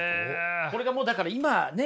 これがもうだから今ね